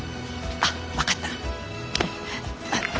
あっ分かった。